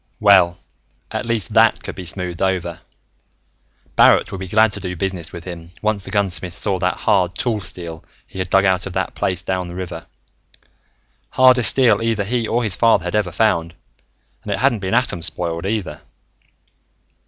Well, at least that could be smoothed over. Barrett would be glad to do business with him, once the gunsmith saw that hard tool steel he had dug out of that place down the river. Hardest steel either he or his father had ever found, and it hadn't been atom spoiled, either.